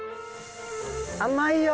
甘いよ。